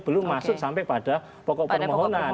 belum masuk sampai pada pokok permohonan